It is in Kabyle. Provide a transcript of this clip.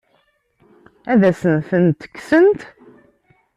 Ad asen-tent-kksent?